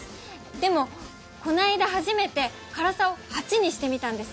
でもこの間初めて辛さを８にしてみたんです。